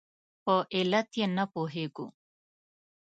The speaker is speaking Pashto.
په علت یې نه پوهېږو.